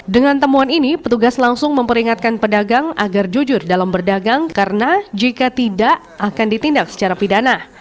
dengan temuan ini petugas langsung memperingatkan pedagang agar jujur dalam berdagang karena jika tidak akan ditindak secara pidana